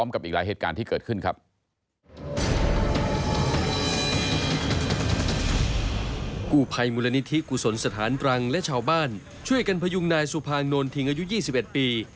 กุศลสถานตรังและชาวบ้านช่วยกันพยุงนายสุภางโน่นถิ่งอายุ๒๑ปี